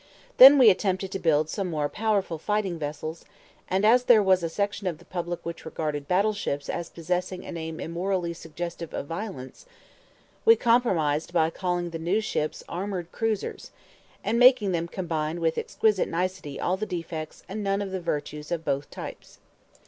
Then we attempted to build more powerful fighting vessels, and as there was a section of the public which regarded battle ships as possessing a name immorally suggestive of violence, we compromised by calling the new ships armored cruisers, and making them combine with exquisite nicety all the defects and none of the virtues of both types. Then we got to the point of building battle ships.